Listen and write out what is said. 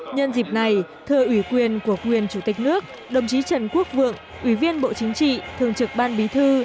nhân dịp này thưa ủy quyền của quyền chủ tịch nước đồng chí trần quốc vượng ủy viên bộ chính trị thường trực ban bí thư